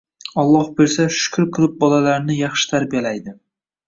Alloh bersa, shukr qilib bolalarini yaxshi tarbiyalaydi.